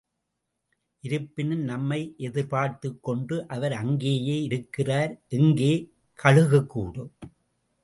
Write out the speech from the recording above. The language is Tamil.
இருப்பினும், நம்மை எதிர்பார்த்துக் கொண்டு அவர் அங்கேயே இருக்கிறார். எங்கே! கழுகுக்கூடு.